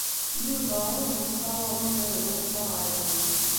Yuba ur yessawaḍ igerdan s aɣerbaz.